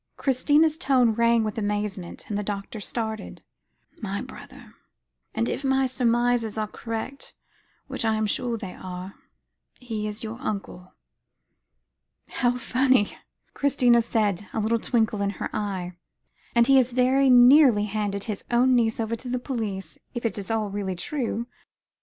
Christina's tone rang with amazement, and the doctor started. "My brother; and if my surmises are correct, which I am sure they are, he is your uncle." "How funny," Christina said, a little twinkle in her eyes; "and he very nearly handed his own niece over to the police if it is all really true.